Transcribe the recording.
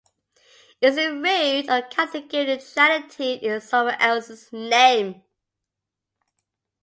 Is it rude or kind to give to charity in someone else's name?